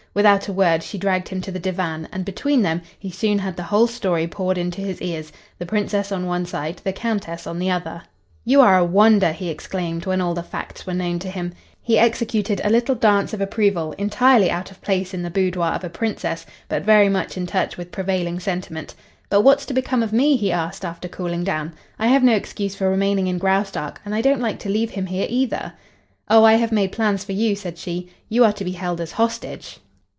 Without a word she dragged him to the divan, and, between them, he soon had the whole story poured into his ears, the Princess on one side, the Countess on the other. "You are a wonder!" he exclaimed, when all the facts were known to him. He executed a little dance of approval, entirely out of place in the boudoir of a princess, but very much in touch with prevailing sentiment. "But what's to become of me?" he asked, after cooling down. "I have no excuse for remaining in Graustark and I don't like to leave him here, either." "Oh, I have made plans for you," said she. "You are to be held as hostage."